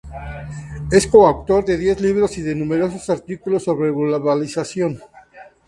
Es co-autor de diez libros y de numerosos artículos sobre la globalización.